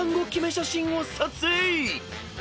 写真を撮影］